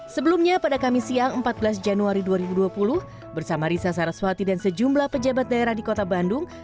sebelumnya pada kamis siang empat belas januari dua ribu dua puluh bersama risa saraswati dan sejumlah pejabat daerah di kota bandung